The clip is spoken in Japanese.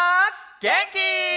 げんき？